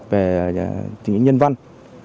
về những nhân văn